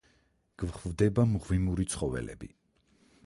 გვხვდება მღვიმური ცხოველები.